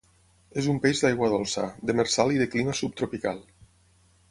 És un peix d'aigua dolça, demersal i de clima subtropical.